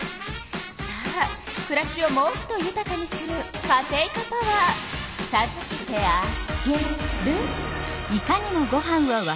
さあくらしをもっとゆたかにするカテイカパワーさずけてあげる。